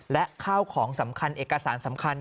และข้าวของสำคัญเอกสารสำคัญ